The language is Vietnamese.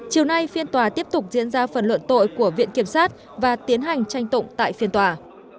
chiều nay phiên tòa tiếp tục diễn ra phần luận tội của viện kiểm sát và tiến hành tranh tụng tại phiên tòa